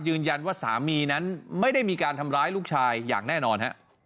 ยืนยันว่าสามีนั้นไม่ได้มีการทำร้ายลูกชายอย่างแน่นอน